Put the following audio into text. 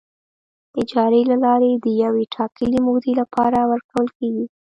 اجارې له لارې د یوې ټاکلې مودې لپاره ورکول کیږي.